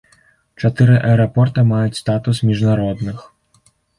Чатыры аэрапорта маюць статус міжнародных.